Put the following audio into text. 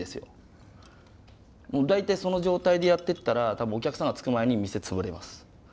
もう大体その状態でやってったら多分お客さんがつく前に店潰れます。